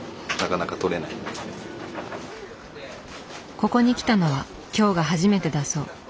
ここに来たのは今日が初めてだそう。